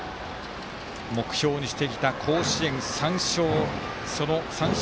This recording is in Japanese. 目標にしてきた甲子園３勝。